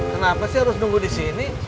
kenapa sih harus nunggu disini